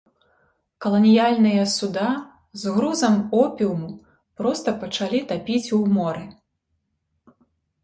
Каланіяльныя суда з грузам опіуму проста пачалі тапіць ў моры.